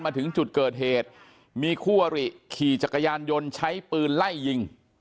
มาถึงจุดเกิดเหตุมีคู่อริขี่จักรยานยนต์ใช้ปืนไล่ยิง